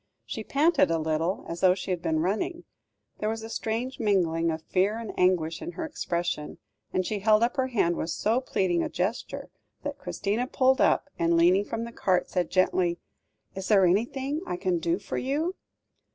She panted a little, as though she had been running; there was a strange mingling of fear and anguish in her expression, and she held up her hand with so pleading a gesture, that Christina pulled up, and leaning from the cart, said gently: "Is there anything I can do for you?"